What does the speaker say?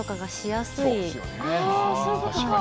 あそういうことか。